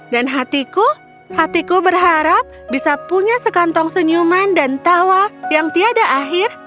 dan hatiku hatiku berharap bisa punya sekantong senyuman dan tawa yang tiada akhir